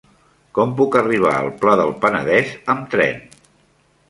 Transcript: Com puc arribar al Pla del Penedès amb tren?